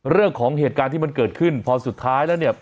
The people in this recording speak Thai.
เรื่องของเหตุการณ์ที่มันเกิดขึ้นพอสุดท้ายแล้วเนี่ย